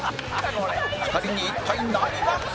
２人に一体何が？